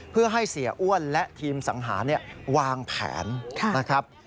เพื่อให้เสียอ้วนและทีมสังหารวางแผนนะครับ